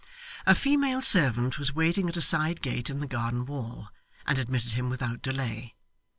A female servant was waiting at a side gate in the garden wall, and admitted him without delay.